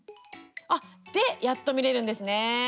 で、やっと見れるんですね。